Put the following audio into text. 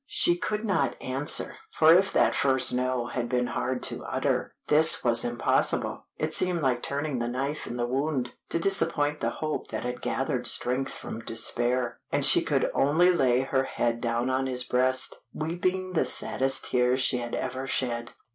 She could not answer, for if that first No had been hard to utter, this was impossible. It seemed like turning the knife in the wound, to disappoint the hope that had gathered strength from despair, and she could only lay her head down on his breast, weeping the saddest tears she had ever shed.